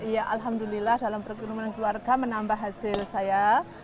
ya alhamdulillah dalam perkembangan keluarga menambah hasil saya